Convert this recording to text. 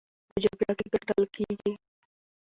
په جګړه کې ګټل کېږي،